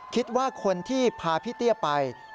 คิดว่าคนที่พาพี่เตี้ยไป